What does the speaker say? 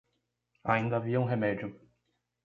Ainda havia um remédio.